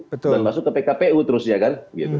dan masuk ke pkpu terusnya kan